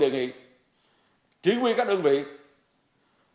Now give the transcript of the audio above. đề nghị các đơn vị đề nghị các đơn vị đề nghị các đơn vị